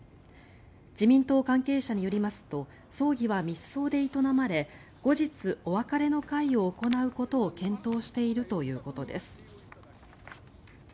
自民党関係者によりますと葬儀は密葬で営まれ後日お別れの会を行うことを検討しているということです。